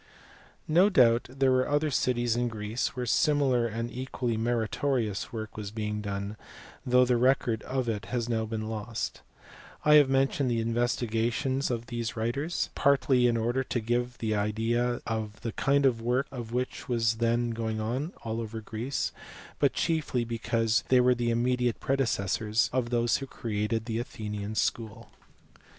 No doubt there were other cities in Greece where similar and equally meritorious work was being done, though the record of it has now been lost; I have mentioned the investi gations of these three writers, partly in order to give an idea of the kind of work which was then going on all over Greece, but chiefly because they were the immediate predecessors of those who created the Athenian school.